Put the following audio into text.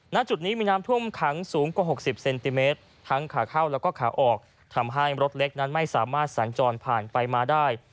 ณจุดนี้มีน้ำท่วมขังสูงกว่า๖๐เซนติเมตรทั้งขาเข้าแล้วก็ขาออกทำให้รถเล็กนั้นไม่สามารถสัญจรผ่านไปมาได้